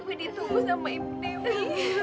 dewi ditunggu sama ibu dewi